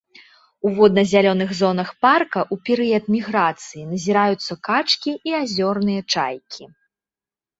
У водна-зялёных зонах парка ў перыяд міграцыі назіраюцца качкі і азёрныя чайкі.